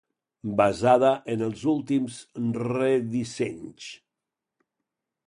Basada en els últims re dissenys.